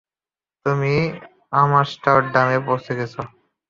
তুমি আমস্টারডামে পৌঁছে গেছ।